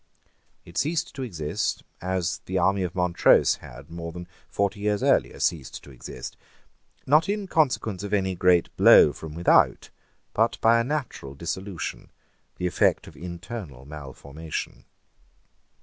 It ceased to exist, as the army of Montrose had, more than forty years earlier, ceased to exist, not in consequence of any great blow from without, but by a natural dissolution, the effect of internal malformation.